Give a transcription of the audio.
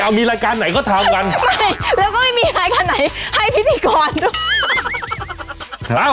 เอามีรายการไหนก็ถามกันไม่เราก็ไม่มีรายการไหนให้ปิดอีกก่อนดู